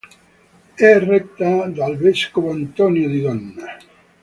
È retta dal vescovo Antonio Di Donna.